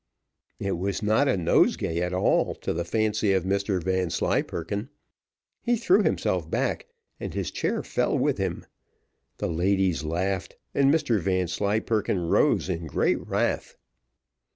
It was not a nosegay at all to the fancy of Mr Vanslyperken; he threw himself back, and his chair fell with him. The ladies laughed, and Mr Vanslyperken rose in great wrath.